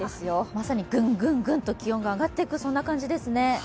まさにぐんぐんぐんと気温が上がっていく、そんな感じですね。